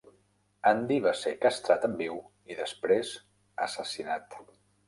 Andy va ser castrat en viu i després assassinat.